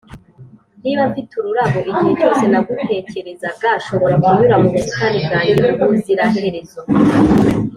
“niba mfite ururabo igihe cyose nagutekerezaga nshobora kunyura mu busitani bwanjye ubuziraherezo.”